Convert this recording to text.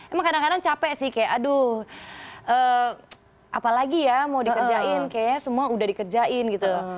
emang kadang kadang capek sih kayak aduh apalagi ya mau dikerjain kayaknya semua udah dikerjain gitu loh